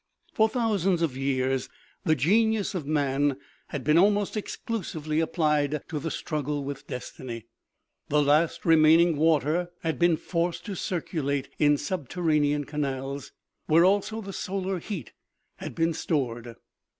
For thousands of years the genius of man had been almost exclusively applied to the strug gle with destiny. The last remaining water had been forced to circulate in subterranean canals, where also the solar heat had been stored.